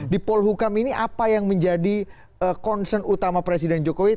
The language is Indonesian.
di polhukam ini apa yang menjadi concern utama presiden jokowi